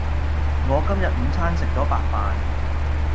我今日午餐食咗白飯